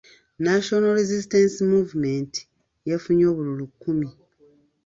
National Resistance Movement yafunye obululu kkumi.